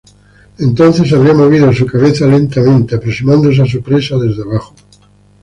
Entonces habría movido su cabeza lentamente aproximándose a su presa desde abajo.